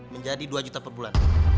menjadi dua juta perbulan